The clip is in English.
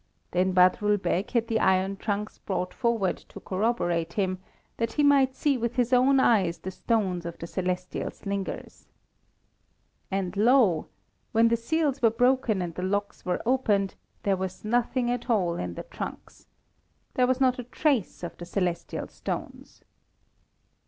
Then Badrul Beg had the iron trunks brought forward to corroborate him, that he might see with his own eyes the stones of the celestial slingers. And lo! when the seals were broken and the locks were opened, there was nothing at all in the trunks. There was not a trace of the celestial stones.